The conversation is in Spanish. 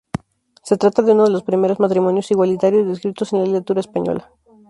Se trata de uno de los primeros matrimonios igualitarios descritos en la literatura española.